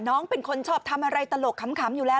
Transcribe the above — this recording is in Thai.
น้องเป็นคนชอบทำอะไรตลกขำอยู่แล้ว